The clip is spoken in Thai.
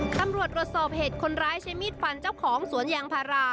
ตำรวจตรวจสอบเหตุคนร้ายใช้มีดฟันเจ้าของสวนยางพารา